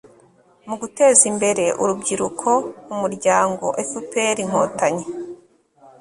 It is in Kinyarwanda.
mu guteza imbere urubyiruko umuryango fpr-inkotanyi